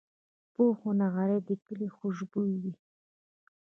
پوخ نغری د کلي خوشبويي وي